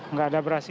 nggak ada berhasil